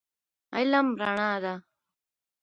علم رڼا ده